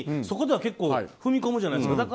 そこでは結構踏み込むじゃないですか。